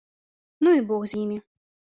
Ну і бог з імі.